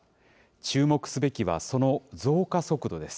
注目すべきはその増加速度です。